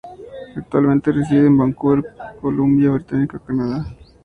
Actualmente reside en Vancouver, Columbia Británica, Canadá.